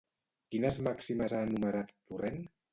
Quines màximes ha enumerat Torrent?